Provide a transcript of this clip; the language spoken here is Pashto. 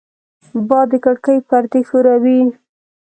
باد د کړکۍ پردې ښوروي